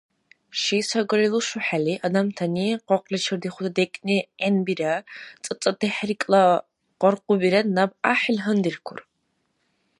Ши сагали лушухӀели, адамтани къакъличир дихути декӀти гӀенбира, цӀацӀати хӀеркӀла къаркъубира наб гӀяхӀил гьандиркур.